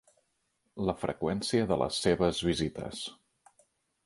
La freqüència de les seves visites.